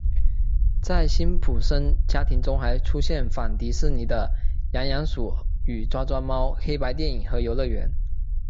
在辛普森家庭中还出现仿迪士尼的痒痒鼠与抓抓猫黑白电影和游乐园。